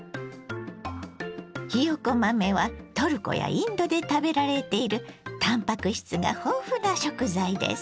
ひよこ豆はトルコやインドで食べられているたんぱく質が豊富な食材です。